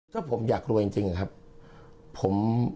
ก็ผมอยากรู้จริงครับ